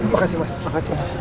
makasih mas makasih